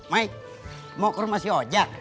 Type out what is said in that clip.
mai mau ke rumah si oja